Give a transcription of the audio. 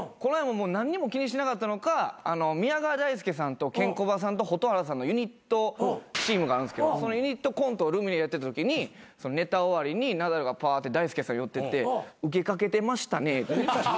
何にも気にしなかったのか宮川大輔さんとケンコバさんと蛍原さんのユニットチームがあるんすけどそのユニットコントをルミネでやってたときにネタ終わりにナダルがパーッて大輔さん寄ってって「ウケかけてましたね」